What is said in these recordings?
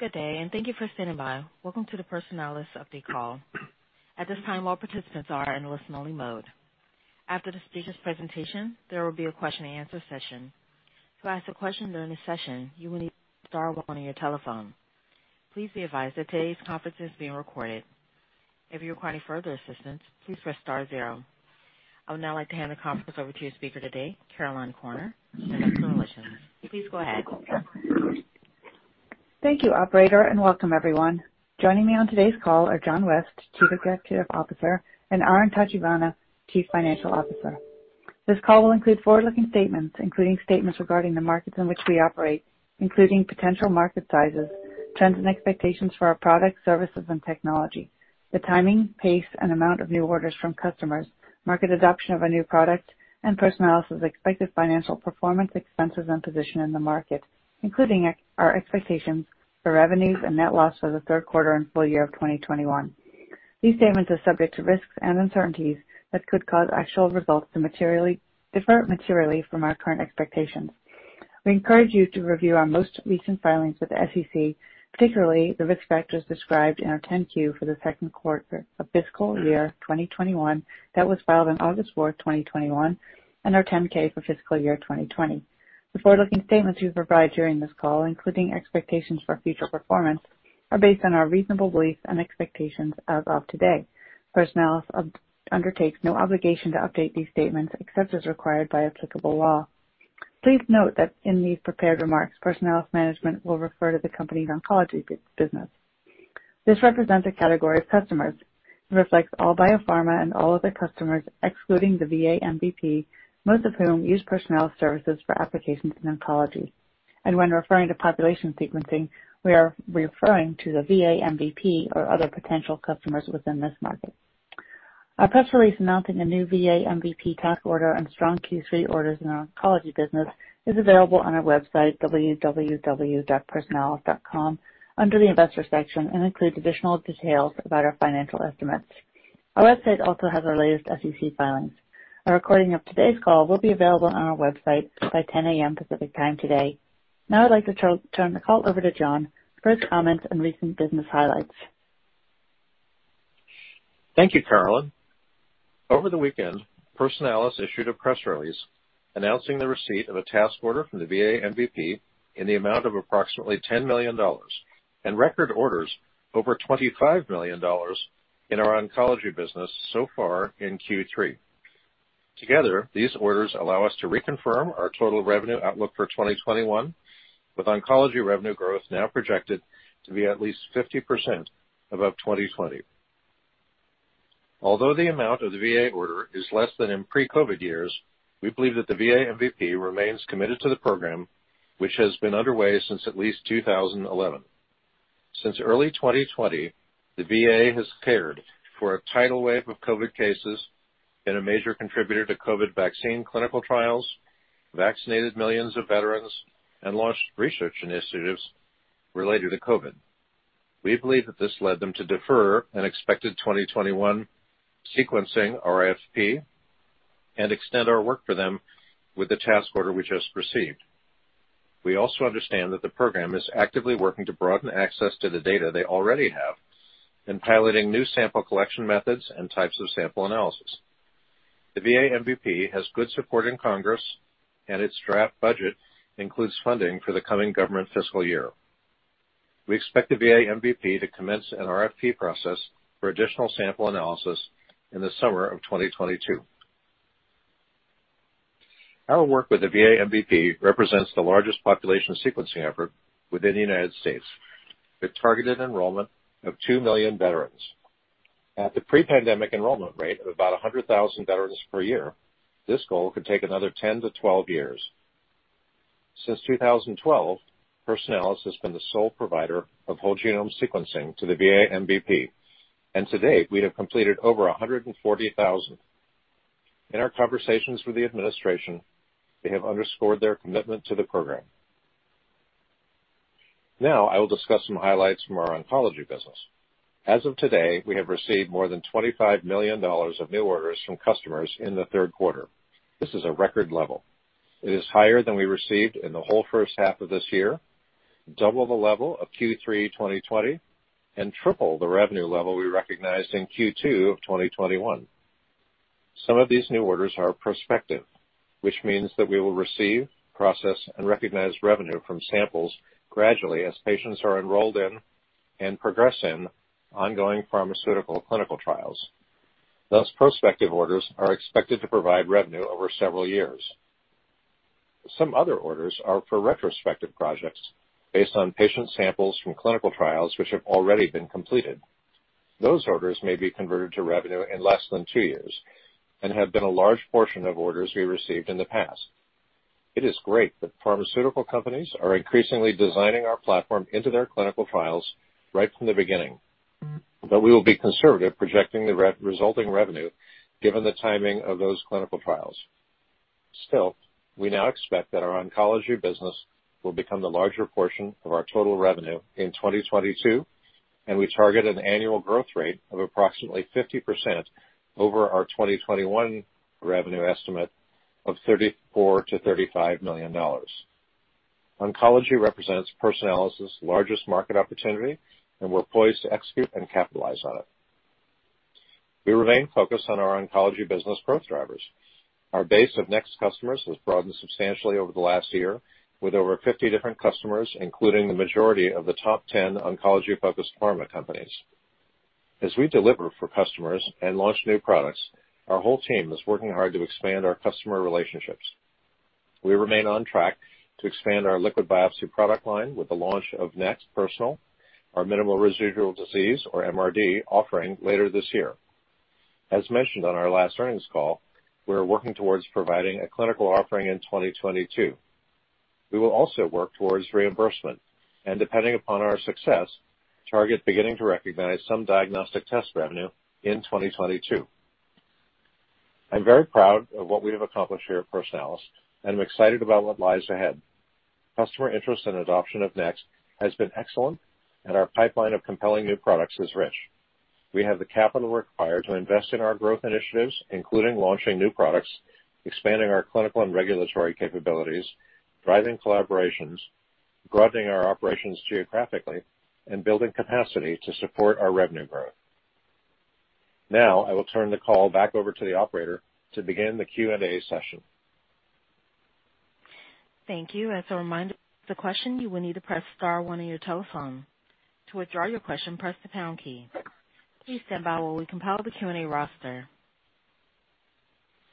Good day, and thank you for standing by. Welcome to the Personalis update call. At this time, all participants are in listen-only mode. After the speaker's presentation, there will be a question-and-answer session. To ask a question during the session, you will need to press star one on your telephone. Please be advised that today's conference is being recorded. If you require any further assistance, please press star zero. I would now like to hand the conference over to your speaker today, Caroline Corner, Investor Relations. Please go ahead. Thank you, Operator, and welcome, everyone. Joining me on today's call are John West, Chief Executive Officer, and Aaron Tachibana, Chief Financial Officer. This call will include forward-looking statements, including statements regarding the markets in which we operate, including potential market sizes, trends and expectations for our products, services, and technology, the timing, pace, and amount of new orders from customers, market adoption of a new product, and Personalis's expected financial performance, expenses, and position in the market, including our expectations for revenues and net loss for the third quarter and full year of 2021. These statements are subject to risks and uncertainties that could cause actual results to materially differ materially from our current expectations. We encourage you to review our most recent filings with the SEC, particularly the risk factors described in our 10Q for the second quarter of fiscal year 2021 that was filed on August 4, 2021, and our 10K for fiscal year 2020. The forward-looking statements we provide during this call, including expectations for future performance, are based on our reasonable beliefs and expectations as of today. Personalis undertakes no obligation to update these statements except as required by applicable law. Please note that in these prepared remarks, Personalis management will refer to the company's oncology business. This represents a category of customers. It reflects all biopharma and all other customers, excluding the VA MVP, most of whom use Personalis services for applications in oncology. When referring to population sequencing, we are referring to the VA MVP or other potential customers within this market. Our press release announcing a new VA MVP task order and strong Q3 orders in our oncology business is available on our website, www.personalis.com, under the investor section, and includes additional details about our financial estimates. Our website also has our latest SEC filings. A recording of today's call will be available on our website by 10:00 A.M. Pacific Time today. Now I'd like to turn the call over to John for his comments and recent business highlights. Thank you, Caroline. Over the weekend, Personalis issued a press release announcing the receipt of a task order from the VA MVP in the amount of approximately $10 million and record orders over $25 million in our oncology business so far in Q3. Together, these orders allow us to reconfirm our total revenue outlook for 2021, with oncology revenue growth now projected to be at least 50% above 2020. Although the amount of the VA order is less than in pre-COVID years, we believe that the VA MVP remains committed to the program, which has been underway since at least 2011. Since early 2020, the VA has cared for a tidal wave of COVID cases, been a major contributor to COVID vaccine clinical trials, vaccinated millions of veterans, and launched research initiatives related to COVID. We believe that this led them to defer an expected 2021 sequencing RFP and extend our work for them with the task order we just received. We also understand that the program is actively working to broaden access to the data they already have and piloting new sample collection methods and types of sample analysis. The VA MVP has good support in Congress, and its draft budget includes funding for the coming government fiscal year. We expect the VA MVP to commence an RFP process for additional sample analysis in the summer of 2022. Our work with the VA MVP represents the largest population sequencing effort within the United States, with targeted enrollment of 2 million veterans. At the pre-pandemic enrollment rate of about 100,000 veterans per year, this goal could take another 10-12 years. Since 2012, Personalis has been the sole provider of whole genome sequencing to the VA MVP, and to date, we have completed over 140,000. In our conversations with the administration, they have underscored their commitment to the program. Now I will discuss some highlights from our oncology business. As of today, we have received more than $25 million of new orders from customers in the third quarter. This is a record level. It is higher than we received in the whole first half of this year, double the level of Q3 2020, and triple the revenue level we recognized in Q2 of 2021. Some of these new orders are prospective, which means that we will receive, process, and recognize revenue from samples gradually as patients are enrolled in and progress in ongoing pharmaceutical clinical trials. Those prospective orders are expected to provide revenue over several years. Some other orders are for retrospective projects based on patient samples from clinical trials which have already been completed. Those orders may be converted to revenue in less than two years and have been a large portion of orders we received in the past. It is great that pharmaceutical companies are increasingly designing our platform into their clinical trials right from the beginning, but we will be conservative projecting the resulting revenue given the timing of those clinical trials. Still, we now expect that our oncology business will become the larger portion of our total revenue in 2022, and we target an annual growth rate of approximately 50% over our 2021 revenue estimate of $34-$35 million. Oncology represents Personalis's largest market opportunity, and we're poised to execute and capitalize on it. We remain focused on our oncology business growth drivers. Our base of NeXT customers has broadened substantially over the last year, with over 50 different customers, including the majority of the top 10 oncology-focused pharma companies. As we deliver for customers and launch new products, our whole team is working hard to expand our customer relationships. We remain on track to expand our liquid biopsy product line with the launch of NeXT Personal, our minimal residual disease, or MRD, offering later this year. As mentioned on our last earnings call, we're working towards providing a clinical offering in 2022. We will also work towards reimbursement and, depending upon our success, target beginning to recognize some diagnostic test revenue in 2022. I'm very proud of what we have accomplished here at Personalis and am excited about what lies ahead. Customer interest and adoption of NeXT has been excellent, and our pipeline of compelling new products is rich. We have the capital required to invest in our growth initiatives, including launching new products, expanding our clinical and regulatory capabilities, driving collaborations, broadening our operations geographically, and building capacity to support our revenue growth. Now I will turn the call back over to the Operator to begin the Q&A session. Thank you. As a reminder, to ask a question you will need to press star one on your telephone. To withdraw your question, press the pound key. Please stand by while we compile the Q&A roster.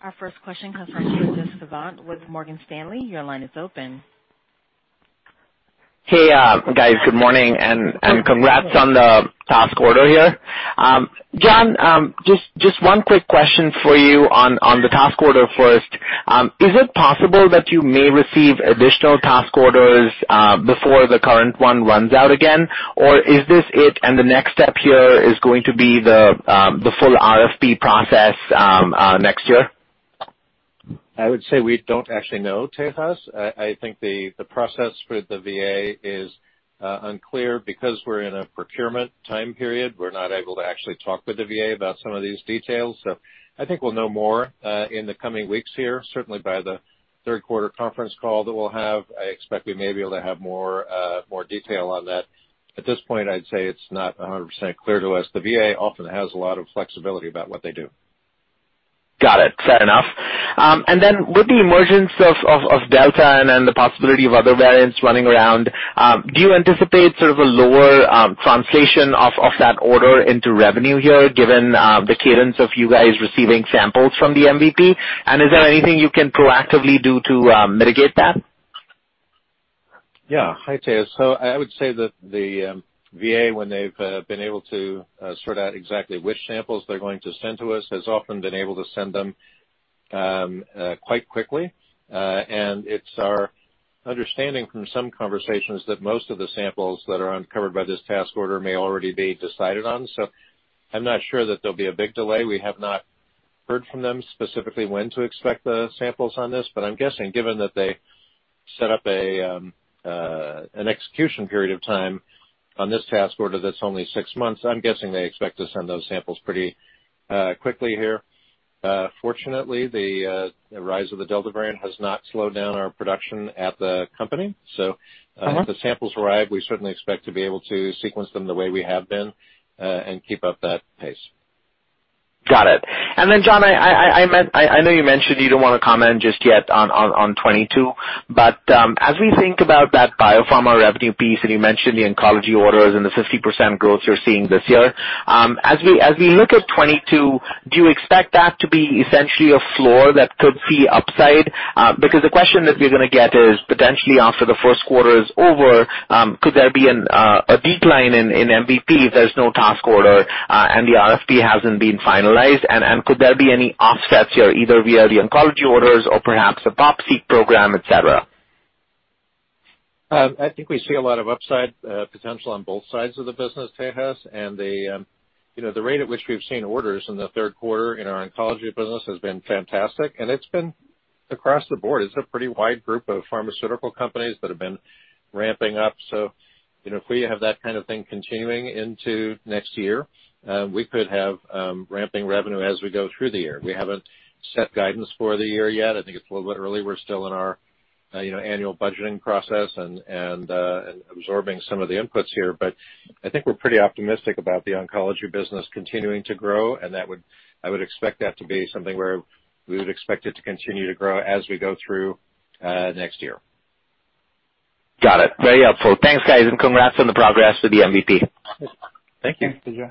Our first question comes from Tejas Savant with Morgan Stanley. Your line is open. Hey, guys. Good morning and congrats on the task order here. John, just one quick question for you on the task order first. Is it possible that you may receive additional task orders before the current one runs out again, or is this it and the next step here is going to be the full RFP process next year? I would say we don't actually know, Tejas. I think the process for the VA is unclear because we're in a procurement time period. We're not able to actually talk with the VA about some of these details. I think we'll know more in the coming weeks here, certainly by the third quarter conference call that we'll have. I expect we may be able to have more detail on that. At this point, I'd say it's not 100% clear to us. The VA often has a lot of flexibility about what they do. Got it. Fair enough. With the emergence of Delta and the possibility of other variants running around, do you anticipate sort of a lower translation of that order into revenue here given the cadence of you guys receiving samples from the MVP? Is there anything you can proactively do to mitigate that? Yeah. Hi, Tejas. I would say that the VA, when they've been able to sort out exactly which samples they're going to send to us, has often been able to send them quite quickly. It's our understanding from some conversations that most of the samples that are uncovered by this task order may already be decided on. I'm not sure that there'll be a big delay. We have not heard from them specifically when to expect the samples on this, but I'm guessing given that they set up an execution period of time on this task order that's only six months, I guess they expect to send those samples pretty quickly here. Fortunately, the rise of the Delta variant has not slowed down our production at the company. If the samples arrive, we certainly expect to be able to sequence them the way we have been and keep up that pace. Got it. John, I know you mentioned you don't want to comment just yet on 2022, but as we think about that biopharma revenue piece and you mentioned the oncology orders and the 50% growth you're seeing this year, as we look at 2022, do you expect that to be essentially a floor that could see upside? The question that we're going to get is potentially after the first quarter is over, could there be a decline in MVP if there's no task order and the RFP hasn't been finalized? Could there be any offsets here either via the oncology orders or perhaps a POPSI program, etc.? I think we see a lot of upside potential on both sides of the business, Tejas. The rate at which we've seen orders in the third quarter in our oncology business has been fantastic, and it's been across the board. It's a pretty wide group of pharmaceutical companies that have been ramping up. If we have that kind of thing continuing into next year, we could have ramping revenue as we go through the year. We haven't set guidance for the year yet. I think it's a little bit early. We're still in our annual budgeting process and absorbing some of the inputs here, but I think we're pretty optimistic about the oncology business continuing to grow, and I would expect that to be something where we would expect it to continue to grow as we go through next year. Got it. Very helpful. Thanks, guys, and congrats on the progress with the MVP. Thank you.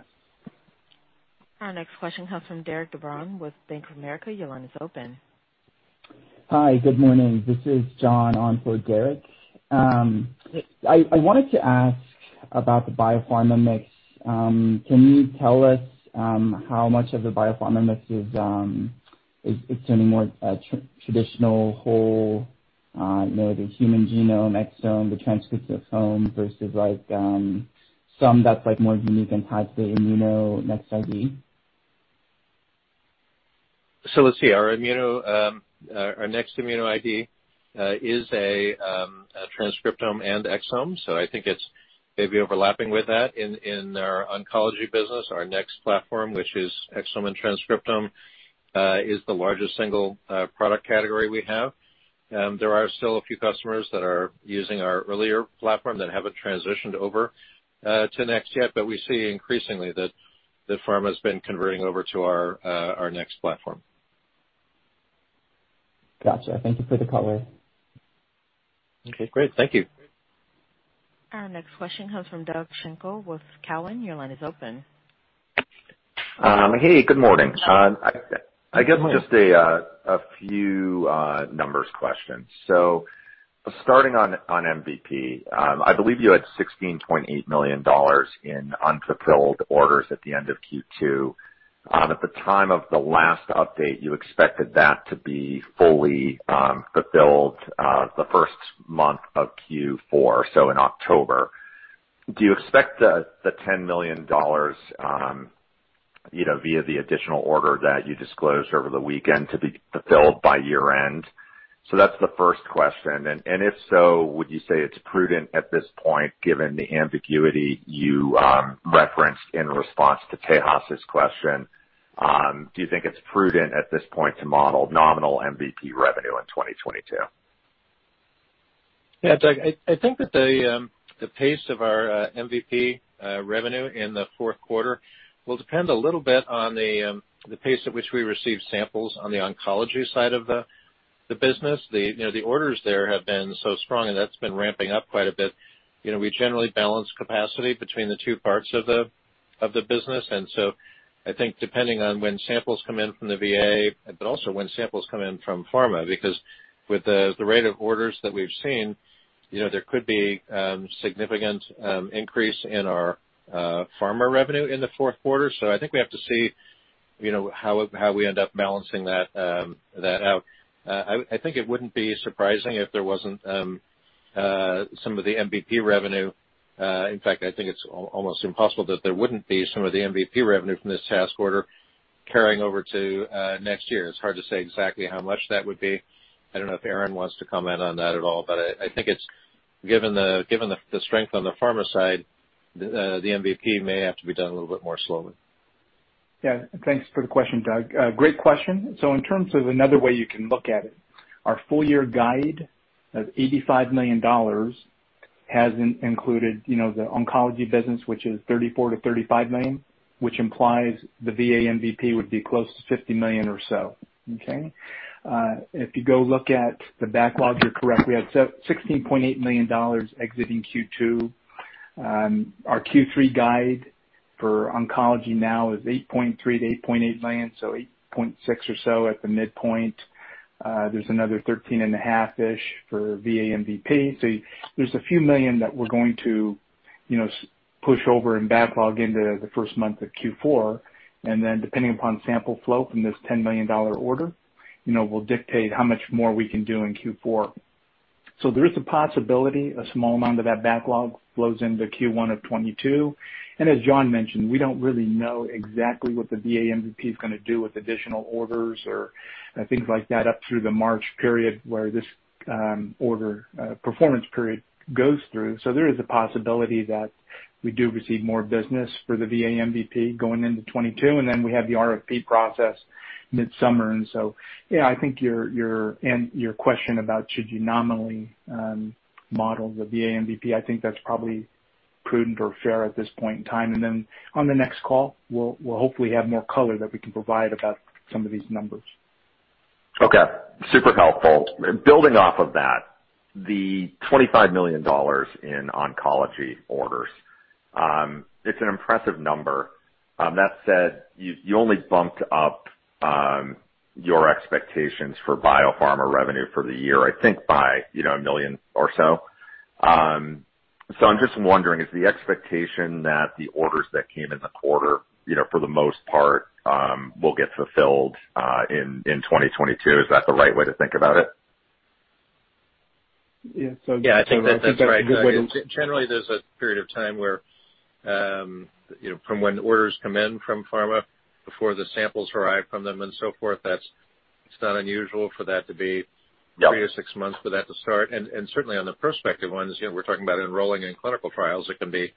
Our next question comes from Derik De Bruin with Bank of America. Your line is open. Hi, good morning. This is John on for Derik. I wanted to ask about the biopharma mix. Can you tell us how much of the biopharma mix is turning more traditional whole, the human genome, exome, the transcriptome versus some that's more unique and tied to the ImmunoID NeXT? Let's see. Our NeXT ImmunoID is a transcriptome and exome. I think it's maybe overlapping with that. In our oncology business, our NeXT Platform, which is exome and transcriptome, is the largest single product category we have. There are still a few customers that are using our earlier platform that haven't transitioned over to NeXT yet, but we see increasingly that the pharma has been converting over to our NeXT Platform. Gotcha. Thank you for the color. Okay. Great. Thank you. Our next question comes from Doug Schenkel with Cowen. Your line is open. Hey, good morning. I get just a few numbers questions. Starting on MVP, I believe you had $16.8 million in unfulfilled orders at the end of Q2. At the time of the last update, you expected that to be fully fulfilled the first month of Q4, in October. Do you expect the $10 million via the additional order that you disclosed over the weekend to be fulfilled by year-end? That is the first question. If so, would you say it is prudent at this point, given the ambiguity you referenced in response to Tejas' question? Do you think it is prudent at this point to model nominal MVP revenue in 2022? Yeah, Doug. I think that the pace of our MVP revenue in the fourth quarter will depend a little bit on the pace at which we receive samples on the oncology side of the business. The orders there have been so strong, and that's been ramping up quite a bit. We generally balance capacity between the two parts of the business. I think depending on when samples come in from the VA, but also when samples come in from pharma, because with the rate of orders that we've seen, there could be a significant increase in our pharma revenue in the fourth quarter. I think we have to see how we end up balancing that out. I think it wouldn't be surprising if there wasn't some of the MVP revenue. In fact, I think it's almost impossible that there wouldn't be some of the MVP revenue from this task order carrying over to next year. It's hard to say exactly how much that would be. I don't know if Aaron wants to comment on that at all, but I think given the strength on the pharma side, the MVP may have to be done a little bit more slowly. Yeah. Thanks for the question, Doug. Great question. In terms of another way you can look at it, our full-year guide of $85 million has included the oncology business, which is $34-$35 million, which implies the VA MVP would be close to $50 million or so. Okay? If you go look at the backlog, you're correct. We had $16.8 million exiting Q2. Our Q3 guide for oncology now is $8.3-$8.8 million, so $8.6 million or so at the midpoint. There's another $13.5 million-ish for VA MVP. There's a few million that we're going to push over and backlog into the first month of Q4. Depending upon sample flow from this $10 million order, that will dictate how much more we can do in Q4. There is a possibility a small amount of that backlog flows into Q1 of 2022. As John mentioned, we do not really know exactly what the VA MVP is going to do with additional orders or things like that up through the March period where this order performance period goes through. There is a possibility that we do receive more business for the VA MVP going into 2022, and then we have the RFP process mid-summer. I think your question about should you nominally model the VA MVP, I think that is probably prudent or fair at this point in time. On the next call, we will hopefully have more color that we can provide about some of these numbers. Okay. Super helpful. Building off of that, the $25 million in oncology orders, it's an impressive number. That said, you only bumped up your expectations for biopharma revenue for the year, I think, by a million or so. I'm just wondering, is the expectation that the orders that came in the quarter, for the most part, will get fulfilled in 2022? Is that the right way to think about it? Yeah. Yeah. I think that's a good way to. Generally, there's a period of time where from when orders come in from pharma before the samples arrive from them and so forth, it's not unusual for that to be three or six months for that to start. Certainly on the prospective ones, we're talking about enrolling in clinical trials. It can be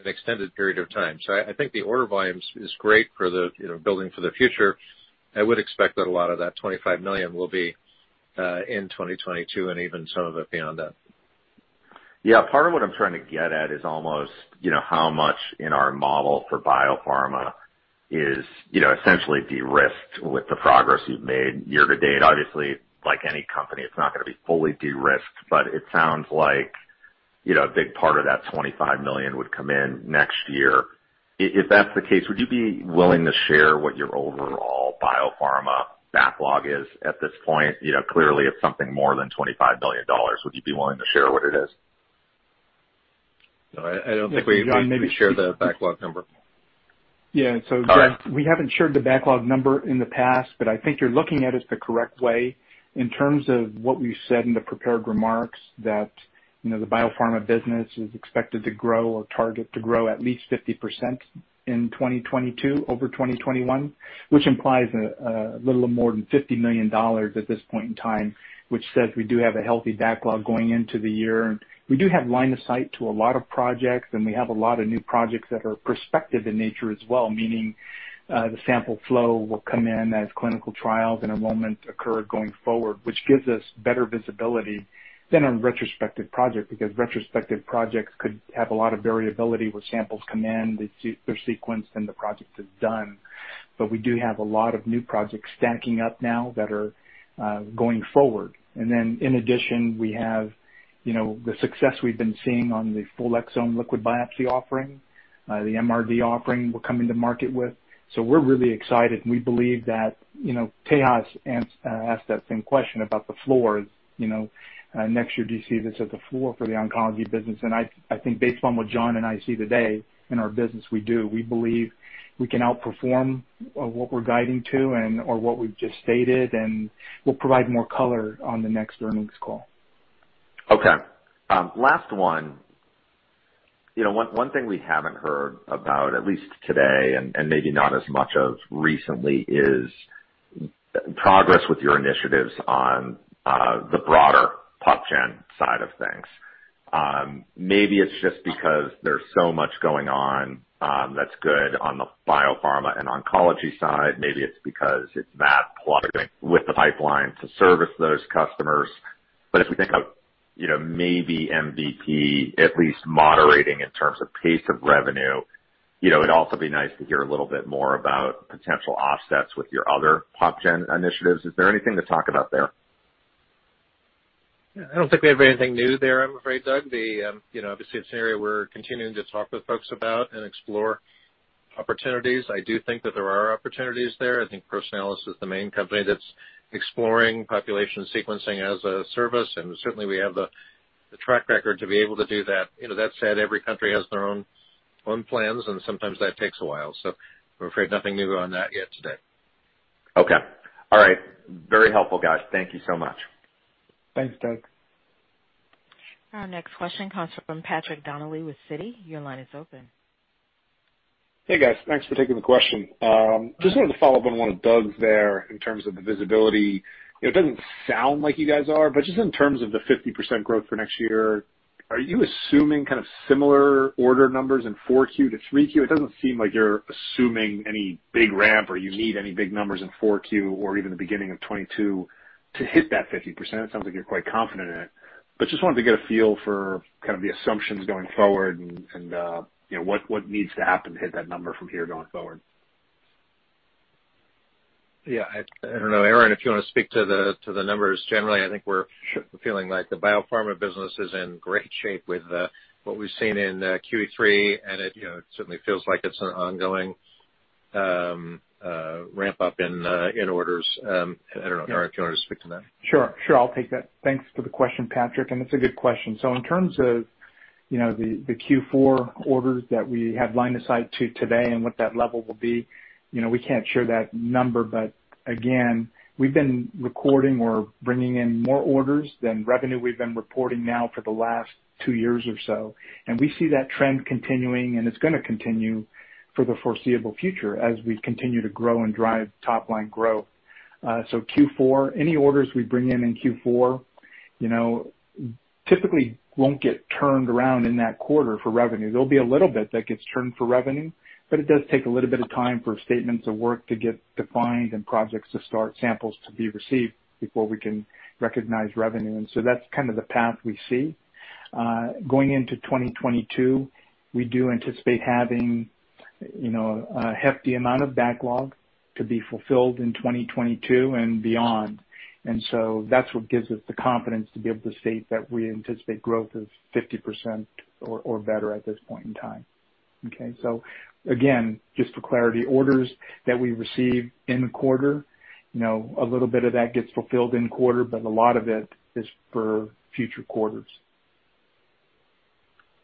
an extended period of time. I think the order volume is great for the building for the future. I would expect that a lot of that $25 million will be in 2022 and even some of it beyond that. Yeah. Part of what I'm trying to get at is almost how much in our model for biopharma is essentially de-risked with the progress you've made year to date. Obviously, like any company, it's not going to be fully de-risked, but it sounds like a big part of that $25 million would come in next year. If that's the case, would you be willing to share what your overall biopharma backlog is at this point? Clearly, it's something more than $25 million. Would you be willing to share what it is? I don't think we shared the backlog number. Yeah. We haven't shared the backlog number in the past, but I think you're looking at it the correct way. In terms of what we said in the prepared remarks, the biopharma business is expected to grow or target to grow at least 50% in 2022 over 2021, which implies a little more than $50 million at this point in time, which says we do have a healthy backlog going into the year. We do have line of sight to a lot of projects, and we have a lot of new projects that are prospective in nature as well, meaning the sample flow will come in as clinical trials and enrollment occur going forward, which gives us better visibility than a retrospective project because retrospective projects could have a lot of variability where samples come in, they're sequenced, and the project is done. We do have a lot of new projects stacking up now that are going forward. In addition, we have the success we've been seeing on the full exome liquid biopsy offering, the MRD offering we're coming to market with. We're really excited. We believe that Tejas asked that same question about the floor. Next year, do you see this as a floor for the oncology business? I think based on what John and I see today in our business, we do. We believe we can outperform what we're guiding to or what we've just stated, and we'll provide more color on the next earnings call. Okay. Last one. One thing we haven't heard about, at least today and maybe not as much of recently, is progress with your initiatives on the broader PopGen side of things. Maybe it's just because there's so much going on that's good on the biopharma and oncology side. Maybe it's because it's not plugging with the pipeline to service those customers. If we think of maybe MVP at least moderating in terms of pace of revenue, it'd also be nice to hear a little bit more about potential offsets with your other PopGen initiatives. Is there anything to talk about there? I don't think we have anything new there, I'm afraid, Doug. Obviously, it's an area we're continuing to talk with folks about and explore opportunities. I do think that there are opportunities there. I think Personalis is the main company that's exploring population sequencing as a service, and certainly we have the track record to be able to do that. That said, every country has their own plans, and sometimes that takes a while. I'm afraid nothing new on that yet today. Okay. All right. Very helpful, guys. Thank you so much. Thanks, Doug. Our next question comes from Patrick Donnelly with Citi. Your line is open. Hey, guys. Thanks for taking the question. Just wanted to follow up on one of Doug's there in terms of the visibility. It does not sound like you guys are, but just in terms of the 50% growth for next year, are you assuming kind of similar order numbers in 4Q to 3Q? It does not seem like you are assuming any big ramp or you need any big numbers in 4Q or even the beginning of 2022 to hit that 50%. It sounds like you are quite confident in it. Just wanted to get a feel for kind of the assumptions going forward and what needs to happen to hit that number from here going forward. Yeah. I don't know. Aaron, if you want to speak to the numbers generally, I think we're feeling like the biopharma business is in great shape with what we've seen in Q3, and it certainly feels like it's an ongoing ramp-up in orders. I don't know, Aaron, if you wanted to speak to that. Sure. Sure. I'll take that. Thanks for the question, Patrick. It's a good question. In terms of the Q4 orders that we had line of sight to today and what that level will be, we can't share that number. Again, we've been recording or bringing in more orders than revenue we've been reporting now for the last two years or so. We see that trend continuing, and it's going to continue for the foreseeable future as we continue to grow and drive top-line growth. Q4, any orders we bring in in Q4 typically won't get turned around in that quarter for revenue. There will be a little bit that gets turned for revenue, but it does take a little bit of time for statements of work to get defined and projects to start, samples to be received before we can recognize revenue. That is kind of the path we see. Going into 2022, we do anticipate having a hefty amount of backlog to be fulfilled in 2022 and beyond. That is what gives us the confidence to be able to state that we anticipate growth of 50% or better at this point in time. Okay? Again, just for clarity, orders that we receive in the quarter, a little bit of that gets fulfilled in quarter, but a lot of it is for future quarters.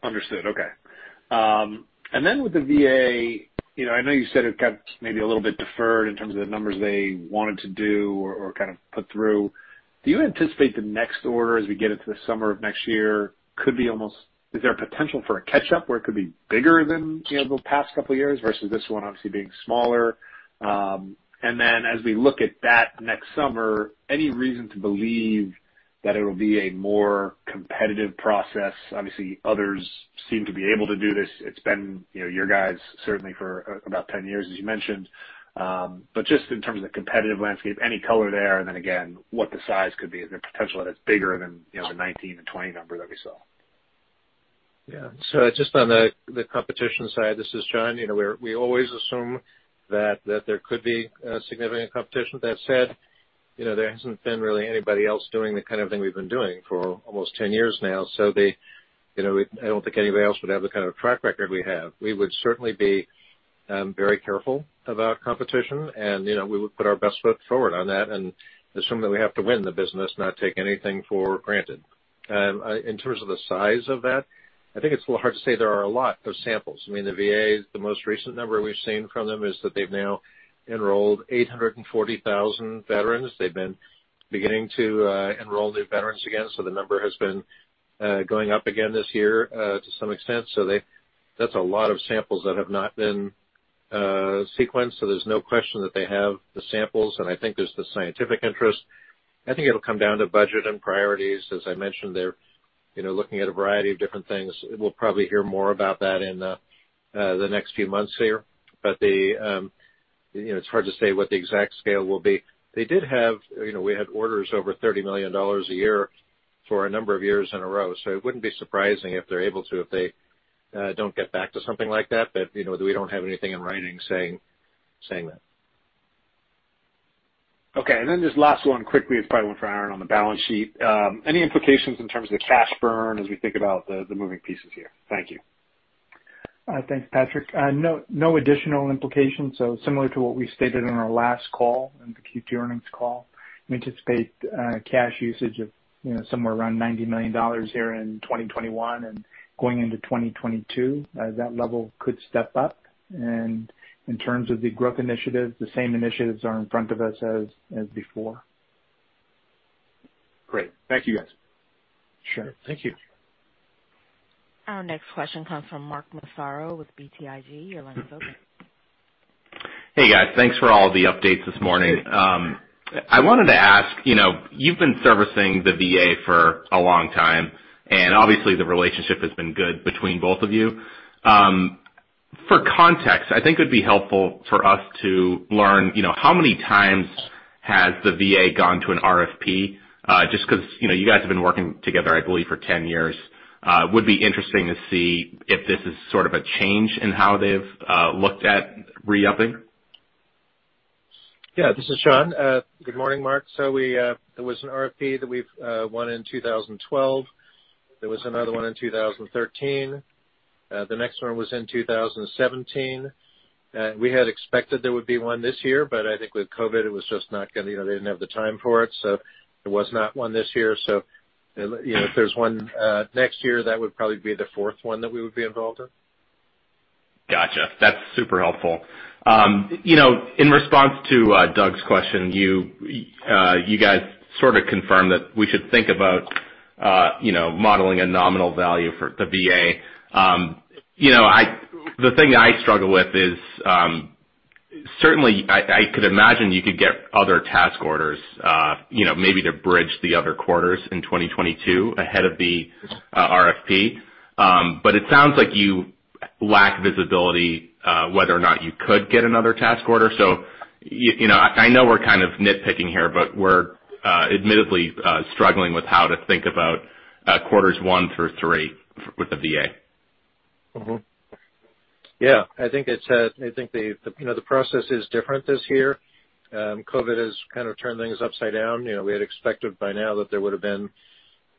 Understood. Okay. And then with the VA, I know you said it kind of maybe a little bit deferred in terms of the numbers they wanted to do or kind of put through. Do you anticipate the next order as we get into the summer of next year could be almost is there a potential for a catch-up where it could be bigger than the past couple of years versus this one obviously being smaller? As we look at that next summer, any reason to believe that it'll be a more competitive process? Obviously, others seem to be able to do this. It's been your guys certainly for about 10 years, as you mentioned. Just in terms of the competitive landscape, any color there, and then again, what the size could be? Is there potential that it's bigger than the 19-20 number that we saw? Yeah. Just on the competition side, this is John. We always assume that there could be significant competition. That said, there hasn't been really anybody else doing the kind of thing we've been doing for almost 10 years now. I don't think anybody else would have the kind of track record we have. We would certainly be very careful about competition, and we would put our best foot forward on that and assume that we have to win the business, not take anything for granted. In terms of the size of that, I think it's a little hard to say there are a lot of samples. I mean, the VA, the most recent number we've seen from them is that they've now enrolled 840,000 veterans. They've been beginning to enroll new veterans again. The number has been going up again this year to some extent. That's a lot of samples that have not been sequenced. There's no question that they have the samples. I think there's the scientific interest. I think it'll come down to budget and priorities. As I mentioned, they're looking at a variety of different things. We'll probably hear more about that in the next few months here. It's hard to say what the exact scale will be. They did have, we had orders over $30 million a year for a number of years in a row. It wouldn't be surprising if they're able to, if they don't get back to something like that, but we don't have anything in writing saying that. Okay. This last one quickly, it's probably one for Aaron on the balance sheet. Any implications in terms of the cash burn as we think about the moving pieces here? Thank you. Thanks, Patrick. No additional implications. Similar to what we stated on our last call and the Q2 earnings call, we anticipate cash usage of somewhere around $90 million here in 2021 and going into 2022. That level could step up. In terms of the growth initiatives, the same initiatives are in front of us as before. Great. Thank you, guys. Sure. Thank you. Our next question comes from Mark Massaro with BTIG. Your line is open. Hey, guys. Thanks for all the updates this morning. I wanted to ask, you've been servicing the VA for a long time, and obviously, the relationship has been good between both of you. For context, I think it would be helpful for us to learn how many times has the VA gone to an RFP just because you guys have been working together, I believe, for 10 years. It would be interesting to see if this is sort of a change in how they've looked at re-upping. Yeah. This is John. Good morning, Mark. There was an RFP that we won in 2012. There was another one in 2013. The next one was in 2017. We had expected there would be one this year, but I think with COVID, it was just not going to, they did not have the time for it. There was not one this year. If there is one next year, that would probably be the fourth one that we would be involved in. Gotcha. That's super helpful. In response to Doug's question, you guys sort of confirmed that we should think about modeling a nominal value for the VA. The thing that I struggle with is certainly I could imagine you could get other task orders maybe to bridge the other quarters in 2022 ahead of the RFP, but it sounds like you lack visibility whether or not you could get another task order. I know we're kind of nitpicking here, but we're admittedly struggling with how to think about quarters one through three with the VA. Yeah. I think the process is different this year. COVID has kind of turned things upside down. We had expected by now that there would have been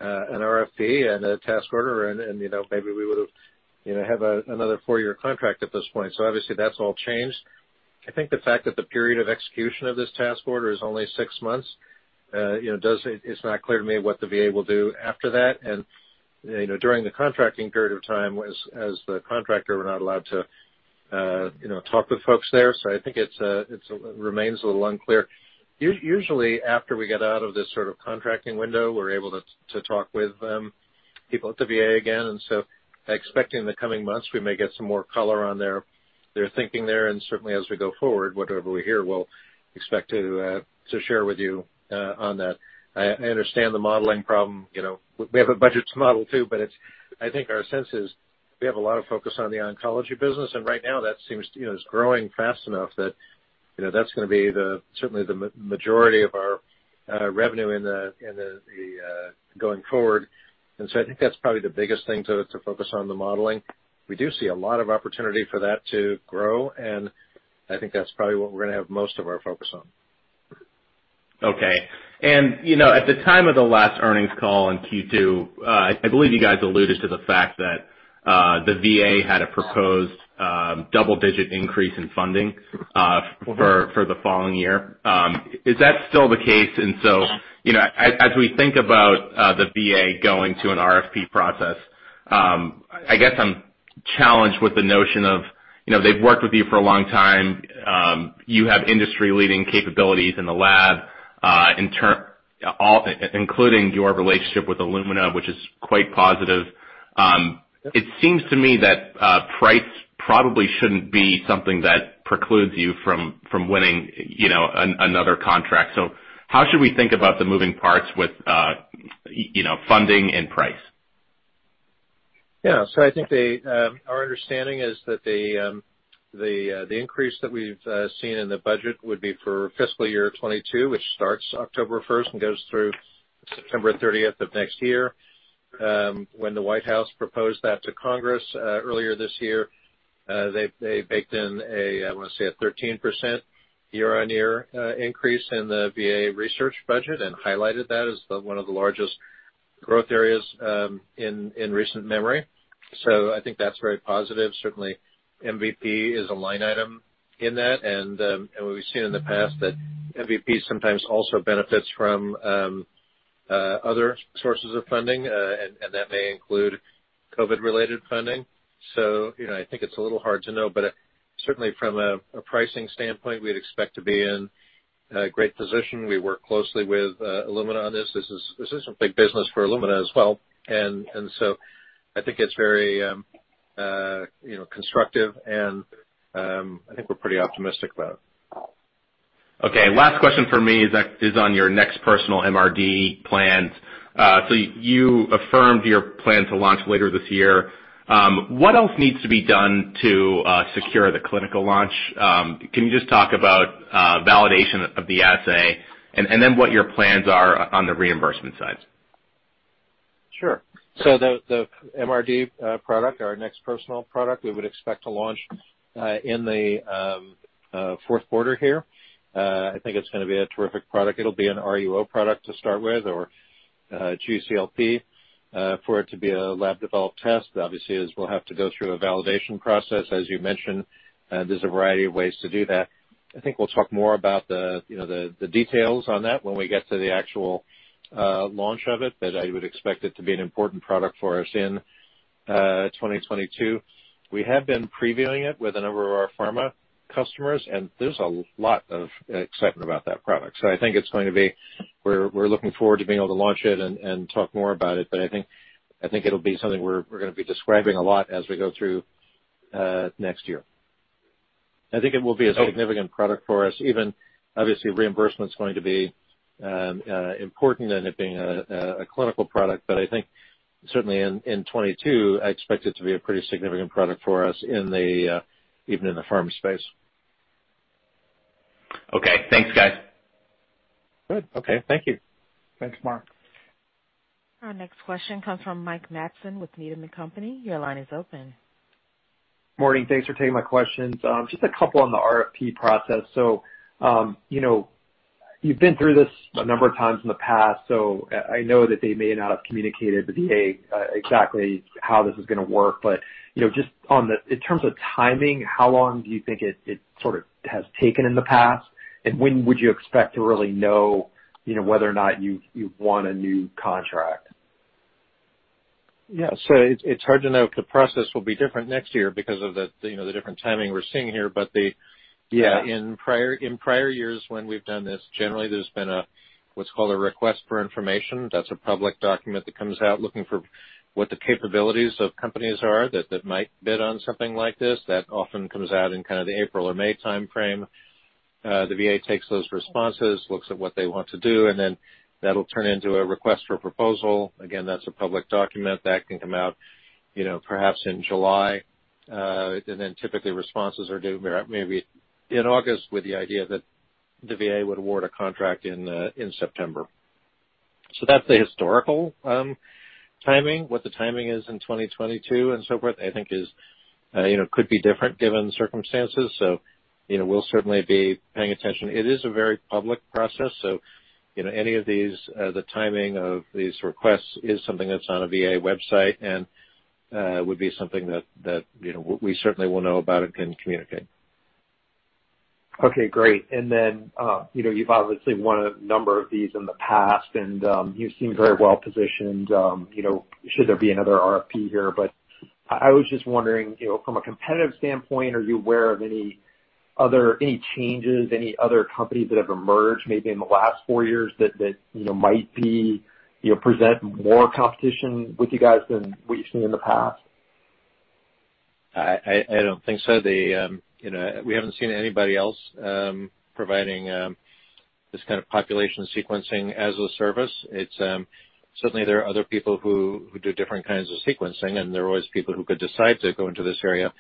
an RFP and a task order, and maybe we would have had another four-year contract at this point. Obviously, that's all changed. I think the fact that the period of execution of this task order is only six months, it's not clear to me what the VA will do after that. During the contracting period of time, as the contractor, we're not allowed to talk with folks there. I think it remains a little unclear. Usually, after we get out of this sort of contracting window, we're able to talk with people at the VA again. Expecting in the coming months, we may get some more color on their thinking there. Certainly, as we go forward, whatever we hear, we'll expect to share with you on that. I understand the modeling problem. We have a budget to model to, but I think our sense is we have a lot of focus on the oncology business. Right now, that seems to be growing fast enough that that's going to be certainly the majority of our revenue going forward. I think that's probably the biggest thing to focus on, the modeling. We do see a lot of opportunity for that to grow, and I think that's probably what we're going to have most of our focus on. Okay. At the time of the last earnings call in Q2, I believe you guys alluded to the fact that the VA had a proposed double-digit increase in funding for the following year. Is that still the case? As we think about the VA going to an RFP process, I guess I'm challenged with the notion of they've worked with you for a long time. You have industry-leading capabilities in the lab, including your relationship with Illumina, which is quite positive. It seems to me that price probably shouldn't be something that precludes you from winning another contract. How should we think about the moving parts with funding and price? Yeah. I think our understanding is that the increase that we've seen in the budget would be for fiscal year 2022, which starts October 1st and goes through September 30th of next year. When the White House proposed that to Congress earlier this year, they baked in, I want to say, a 13% year-on-year increase in the VA research budget and highlighted that as one of the largest growth areas in recent memory. I think that's very positive. Certainly, MVP is a line item in that. We've seen in the past that MVP sometimes also benefits from other sources of funding, and that may include COVID-related funding. I think it's a little hard to know, but certainly from a pricing standpoint, we'd expect to be in a great position. We work closely with Illumina on this. This is a big business for Illumina as well. I think it's very constructive, and I think we're pretty optimistic about it. Okay. Last question for me is on your NeXT Personal MRD plans. You affirmed your plan to launch later this year. What else needs to be done to secure the clinical launch? Can you just talk about validation of the assay and then what your plans are on the reimbursement side? Sure. The MRD product, our NeXT Personal product, we would expect to launch in the fourth quarter here. I think it's going to be a terrific product. It'll be an RUO product to start with or GCLP for it to be a lab-developed test. Obviously, we'll have to go through a validation process, as you mentioned. There's a variety of ways to do that. I think we'll talk more about the details on that when we get to the actual launch of it, but I would expect it to be an important product for us in 2022. We have been previewing it with a number of our pharma customers, and there's a lot of excitement about that product. I think we're looking forward to being able to launch it and talk more about it. I think it'll be something we're going to be describing a lot as we go through next year. I think it will be a significant product for us. Obviously, reimbursement is going to be important in it being a clinical product. I think certainly in 2022, I expect it to be a pretty significant product for us even in the pharma space. Okay. Thanks, guys. Good. Okay. Thank you. Thanks, Mark. Our next question comes from Mike Matson with Needham & Company. Your line is open. Morning. Thanks for taking my questions. Just a couple on the RFP process. You have been through this a number of times in the past. I know that they may not have communicated to the VA exactly how this is going to work. Just in terms of timing, how long do you think it sort of has taken in the past? When would you expect to really know whether or not you won a new contract? Yeah. It's hard to know if the process will be different next year because of the different timing we're seeing here. In prior years when we've done this, generally, there's been what's called a request for information. That's a public document that comes out looking for what the capabilities of companies are that might bid on something like this. That often comes out in kind of the April or May timeframe. The VA takes those responses, looks at what they want to do, and then that'll turn into a request for proposal. Again, that's a public document that can come out perhaps in July. Typically, responses are due maybe in August with the idea that the VA would award a contract in September. That's the historical timing. What the timing is in 2022 and so forth, I think, could be different given circumstances. We will certainly be paying attention. It is a very public process. Any of the timing of these requests is something that is on a VA website and would be something that we certainly will know about and can communicate. Okay. Great. You have obviously won a number of these in the past, and you seem very well positioned should there be another RFP here. I was just wondering, from a competitive standpoint, are you aware of any changes, any other companies that have emerged maybe in the last four years that might present more competition with you guys than we have seen in the past? I don't think so. We haven't seen anybody else providing this kind of population sequencing as a service. Certainly, there are other people who do different kinds of sequencing, and there are always people who could decide to go into this area.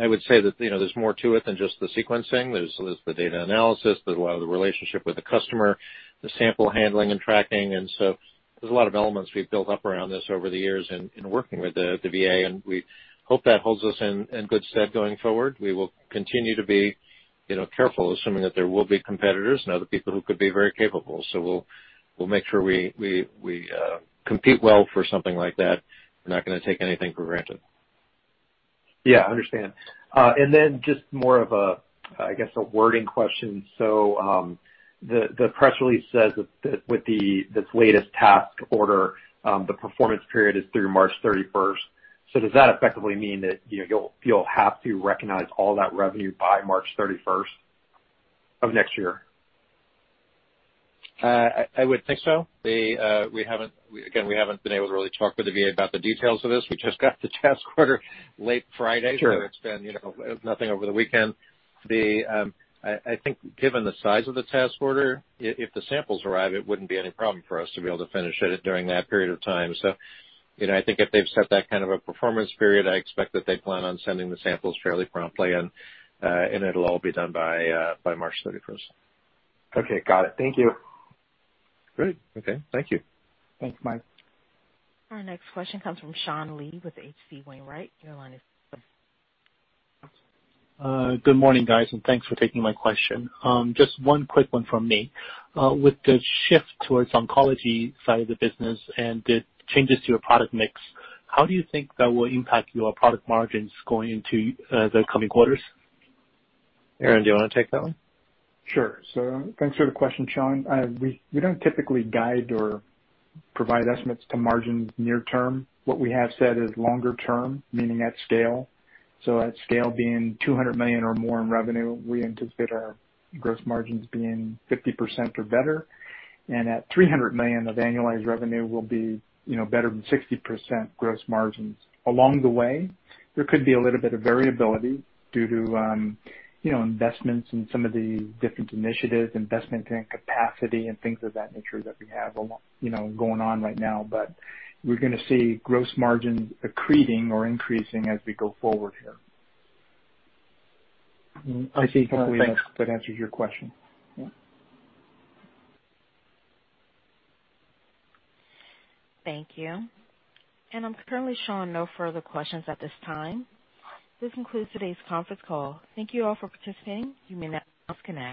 I would say that there's more to it than just the sequencing. There's the data analysis, there's a lot of the relationship with the customer, the sample handling and tracking. There are a lot of elements we've built up around this over the years in working with the VA, and we hope that holds us in good stead going forward. We will continue to be careful, assuming that there will be competitors and other people who could be very capable. We'll make sure we compete well for something like that. We're not going to take anything for granted. Yeah. I understand. Just more of, I guess, a wording question. The press release says that with this latest task order, the performance period is through March 31. Does that effectively mean that you'll have to recognize all that revenue by March 31st of next year? I would think so. Again, we haven't been able to really talk with the VA about the details of this. We just got the task order late Friday. It's been nothing over the weekend. I think given the size of the task order, if the samples arrive, it wouldn't be any problem for us to be able to finish it during that period of time. I think if they've set that kind of a performance period, I expect that they plan on sending the samples fairly promptly, and it'll all be done by March 31st. Okay. Got it. Thank you. Great. Okay. Thank you. Thanks, Mike. Our next question comes from Sean Lee with H.C. Wainwright. Your line is open. Good morning, guys, and thanks for taking my question. Just one quick one from me. With the shift towards oncology side of the business and the changes to your product mix, how do you think that will impact your product margins going into the coming quarters? Aaron, do you want to take that one? Sure. Thanks for the question, Sean. We do not typically guide or provide estimates to margins near term. What we have said is longer term, meaning at scale. At scale being $200 million or more in revenue, we anticipate our gross margins being 50% or better. At $300 million of annualized revenue, we will be better than 60% gross margins. Along the way, there could be a little bit of variability due to investments in some of the different initiatives, investment in capacity, and things of that nature that we have going on right now. We are going to see gross margins accreting or increasing as we go forward here. I think that answers your question. Thank you. I'm currently showing no further questions at this time. This concludes today's conference call. Thank you all for participating. You may now disconnect.